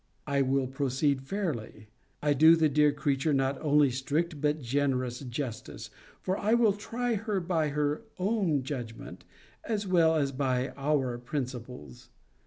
I will proceed fairly. I do the dear creature not only strict but generous justice; for I will try her by her own judgment, as well as by our principles.